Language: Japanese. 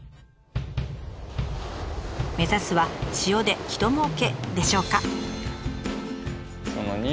目指すは塩でひともうけでしょうか？